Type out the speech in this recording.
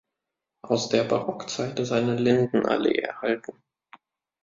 Aus der Barockzeit ist eine Lindenallee erhalten.